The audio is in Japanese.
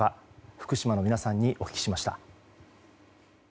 福島の皆さんにお聞きしました。